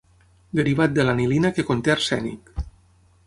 Derivat de l'anilina que conté arsènic.